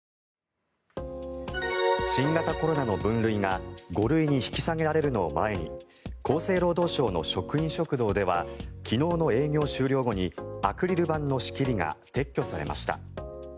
新型コロナの分類が５類に引き下げられるのを前に厚生労働省の職員食堂では昨日の営業終了後にアクリル板の仕切りが撤去されました。